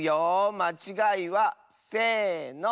まちがいはせの！